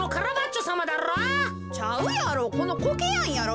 ちゃうやろ。